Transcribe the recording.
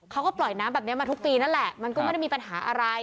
เขาก็ปล่อยน้ำแบบนี้มาทุกปีนั่นแหละมันก็ไม่ได้มีปัญหาอะไร